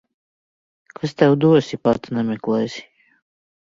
Kas tev dos, ja pats nemeklēsi.